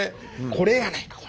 これやないかこれ。